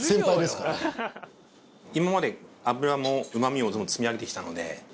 今まで脂もうま味も積み上げてきたので。